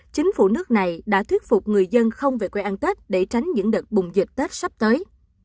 chính phủ nước này đã thuyết phục người dân không về quê ăn tết để tránh những đợt bùng dịch tết sắp tới